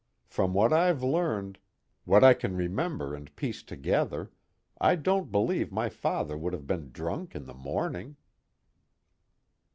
From what I've learned, what I can remember and piece together, I don't believe my father would have been drunk in the morning."